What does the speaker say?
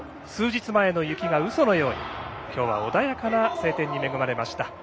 数日前の雪が、うそのようにきょうは穏やかな晴天に恵まれました。